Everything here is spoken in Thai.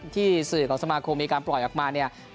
ที่สื่อของสมาคมมีการปล่อยออกมาเนี่ย